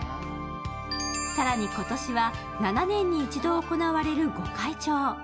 更に今年は、７年に一度行われる御開帳。